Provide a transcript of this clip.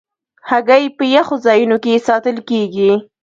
هګۍ په یخو ځایونو کې ساتل کېږي.